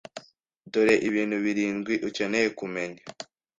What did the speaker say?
Dore ibintu birindwi ukeneye kumenya